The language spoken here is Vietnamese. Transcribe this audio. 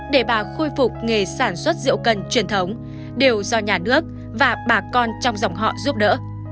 để bà khôi phục nghề sản xuất rượu cần truyền thống đều do nhà nước và bà con trong dòng họ giúp đỡ